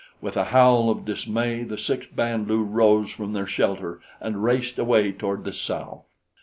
With a howl of dismay the six Band lu rose from their shelter and raced away toward the south.